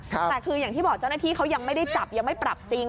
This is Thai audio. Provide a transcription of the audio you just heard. แต่คืออย่างที่บอกเจ้าหน้าที่เขายังไม่ได้จับยังไม่ปรับจริง